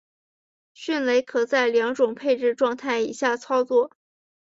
迅雷可在两种配置状态以下操作。